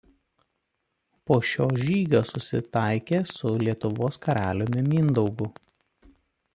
Po šio žygio susitaikė su Lietuvos karaliumi Mindaugu.